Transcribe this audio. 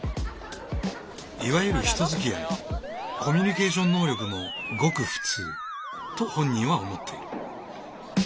いわゆる人づきあいコミュニケーション能力もごくフツーと本人は思っている。